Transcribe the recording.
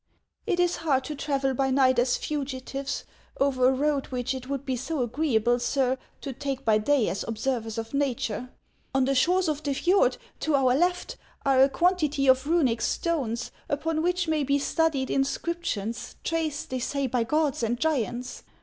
" It is hard to travel by night as fugitives, over a road which it would be so agreeable, sir, to take by day as observers of Nature. On the shores of the fjord, to our left, are a quantity of Runic stones, upon which may be studied inscriptions traced, they say, by gods and giants.